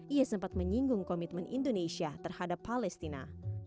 ia sempat menyinggung komitmen indonesia terhadap palestina